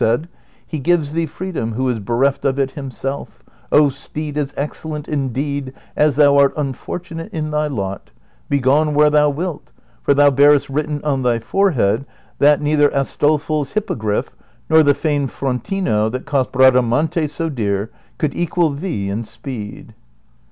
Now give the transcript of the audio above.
said, '' He gives thee freedom who is bereft of it himself, oh steed as excellent in deed as thou art unfortunate in thy lot; begone where thou wilt, for thou bearest written on thy forehead that neither Astolfo's hippogriff, nor the famed Frontino that cost Bradamante so dear, could equal thee in speed."